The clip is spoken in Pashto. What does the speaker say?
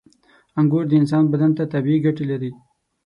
• انګور د انسان بدن ته طبیعي ګټې لري.